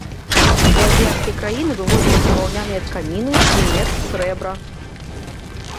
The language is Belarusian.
У азіяцкія краіны вывозіліся ваўняныя тканіны, свінец, срэбра.